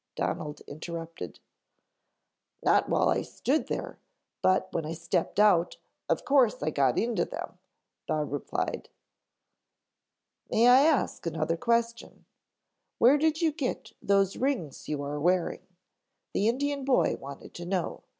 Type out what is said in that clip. Donald interrupted. "Not while I stood there, but when I stepped out of course I got into them," Bob replied. "May I ask another question. Where did you get those rings you are wearing?" the Indian boy wanted to know.